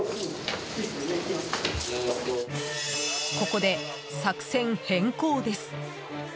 ここで作戦変更です。